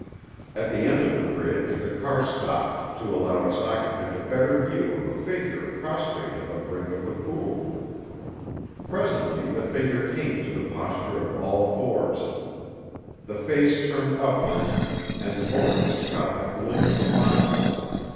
At the end of the bridge the car stopped to allow its occupant a better view of a figure prostrate on the brink of the pool. Presently the figure came to the posture of all fours. The face turned upward, and the motorist caught the glint of a monocle.